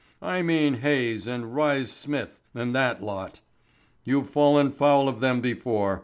I mean Hayes and Rhys Smith and that lot. You've fallen foul of them before.